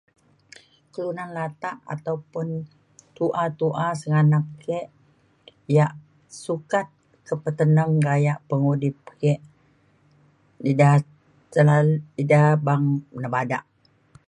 kelunan latak ataupun tu'a tu'a senganak ik yak suka kepeteneng gaya pengudip yik ida ida selalu beng nebadak.